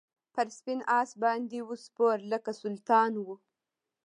پر سپین آس باندي وو سپور لکه سلطان وو